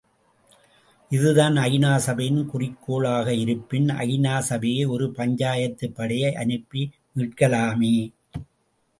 இதுதான் ஐ.நா. சபையின் குறிக்கோளாக இருப்பின் ஐ.நா சபையே ஒரு பஞ்சாயத்துப் படையை அனுப்பி மீட்கலாமே!